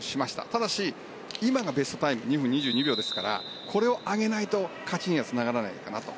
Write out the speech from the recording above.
ただし、今のベストタイムが２分２２秒ですからこれを上げないと勝ちにはつながらないのかなと。